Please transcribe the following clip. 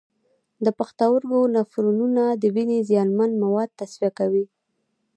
د پښتورګو نفرونونه د وینې زیانمن مواد تصفیه کوي.